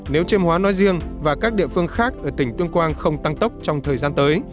nếu chiêm hóa nói riêng và các địa phương khác ở tỉnh tuyên quang không tăng tốc trong thời gian tới